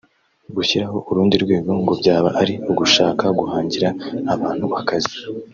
gushyiraho urundi rwego ngo byaba ari ugushaka guhangira abantu akazi